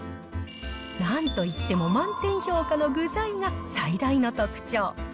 なんといっても満点評価の具材が最大の特徴。